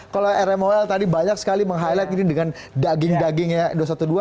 kalau rmol tadi banyak sekali meng highlight ini dengan daging dagingnya dua ratus dua belas